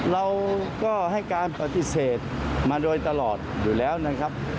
เราก็ให้การปฏิเสธมาโดยตลอดอยู่แล้วนะครับ